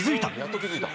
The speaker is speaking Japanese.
やっと気づいた。